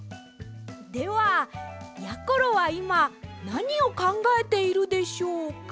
ではやころはいまなにをかんがえているでしょうか！？